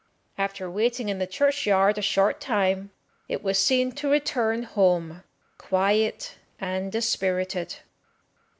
After waiting in the churchyard a short time, it was seen to return home quiet and dispirited.